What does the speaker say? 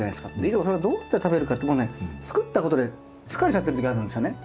いつもそれをどうやって食べるかってもうね作ったことで疲れちゃってる時あるんですよね。